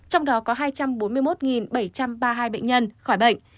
trong đó có hai trăm bốn mươi một bảy trăm ba mươi hai bệnh nhân khỏi bệnh